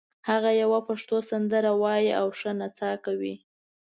هغه یوه پښتو سندره وایي او ښه نڅا کوي